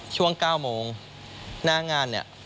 ช่วง๙โมงหน้างานเนี่ย